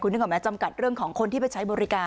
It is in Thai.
นึกออกไหมจำกัดเรื่องของคนที่ไปใช้บริการ